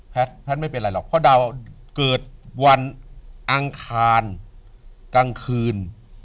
แพทย์ไม่เป็นไรหรอกเพราะดาวเกิดวันอังคารกลางคืน